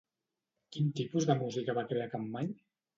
Quin tipus de música va crear Campmany?